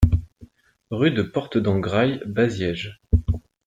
Rue de Porte d'Engraille, Baziège